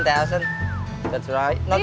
tidak begitu banyak